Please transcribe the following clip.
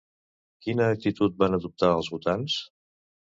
Quina actitud van adoptar els votants?